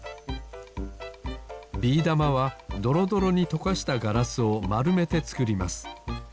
ビーだまはドロドロにとかしたガラスをまるめてつくります。